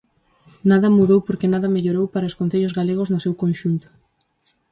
Nada mudou porque nada mellorou para os concellos galegos no seu conxunto.